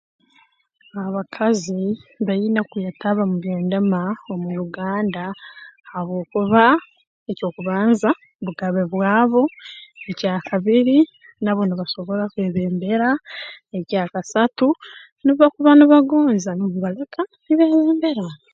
Abakazi baine kwetaba mu by'endema omu Uganda habwokuba eky'okubanza bugabe bwabo ekya kabiri nabo nibasobora kwebembera ekya kasatu nubo bakuba nibagonza noobaleka nibeeyongerayo